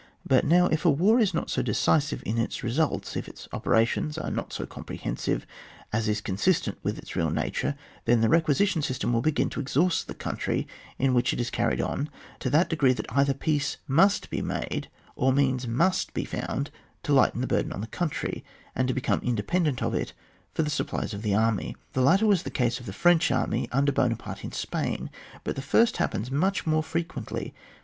But now, if a war is not so decisive in its restilts, if its operations are not so comprehensive as is consistent with its real nature, then the requisition system will beg^n to exhaust the country in which it is carried on to that degree that either peace must be made, or means must be found to lighten the burden on the country, and to become independent of it for the supplies of the army. The latter was the case of the French army under Buonaparte ia Spain, but the first happens much more frequently.